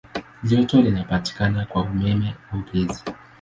Joto linapatikana kwa umeme au gesi.